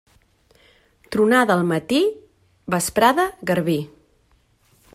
Tronada al matí, vesprada, garbí.